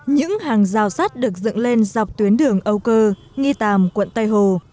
những hàng rào sắt được dựng lên dọc tuyến đường âu cơ nghi tàm quận tây hồ